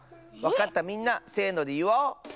わかったみんなせのでいおう！